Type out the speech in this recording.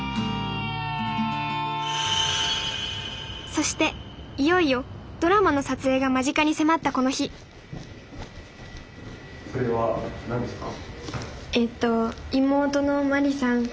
そしていよいよドラマの撮影が間近に迫ったこの日それは何ですか？